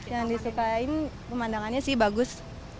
yang disukain pemandangannya sih bagus